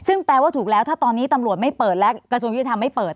ซึ่งแปลว่าถูกแล้วถ้าตอนนี้ตำรวจไม่เปิดและกระทรวงยุติธรรมไม่เปิด